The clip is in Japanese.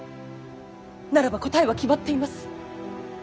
ならば答えは決まっています。